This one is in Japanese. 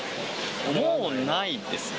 もうないですね。